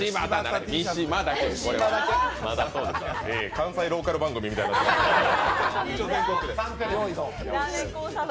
関西ローカル番組みたいになってますけど。